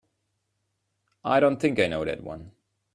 I don't think I know that one.